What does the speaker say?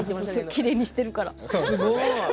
きれいにしてますから。